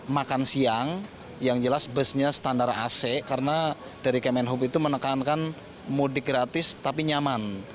makan siang yang jelas busnya standar ac karena dari kemenhub itu menekankan mudik gratis tapi nyaman